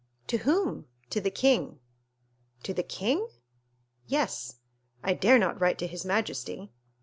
"To whom?" "To the king." "To the king?" "Yes." "I dare not write to his majesty."